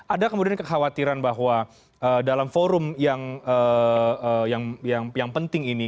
ada kemudian kekhawatiran bahwa dalam forum yang penting ini